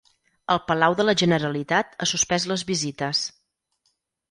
El Palau de la Generalitat ha suspès les visites